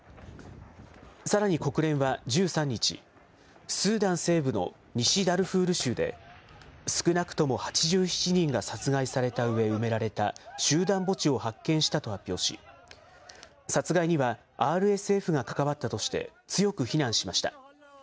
さらに国連は１３日、スーダン西部の西ダルフール州で、少なくとも８７人が殺害されたうえ埋められた集団墓地を発見したと発表し、殺害にはＲＳＦが関わったとして強く非難しました。